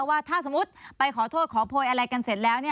ว่าถ้าสมมุติไปขอโทษขอโพยอะไรกันเสร็จแล้ว